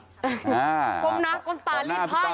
ตรงนั้นก๊อบน้ำก๊อบน้ำ